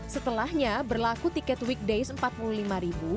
setelahnya berlaku tiket weekdays rp empat puluh lima